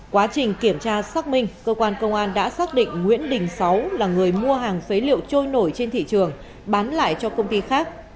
quá trình kiểm tra xác minh cơ quan công an đã xác định nguyễn đình sáu là người mua hàng phế liệu trôi nổi trên thị trường bán lại cho công ty khác